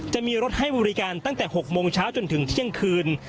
จะมีรถให้บริการตั้งแต่๖โมงเช้าจนถึงเที่ยงคืน